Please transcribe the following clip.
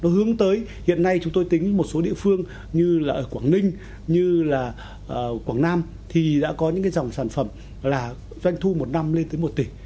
hướng tới hiện nay chúng tôi tính một số địa phương như là ở quảng ninh như là quảng nam thì đã có những dòng sản phẩm là doanh thu một năm lên tới một tỷ